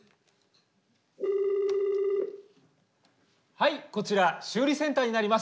☎はいこちら修理センターになります。